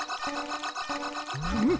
フム！